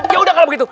yaudah kalau begitu